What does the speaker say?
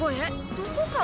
どこから？